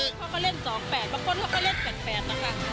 เขาก็เล่น๒๘บางคนเขาก็เล่น๘๘นะคะ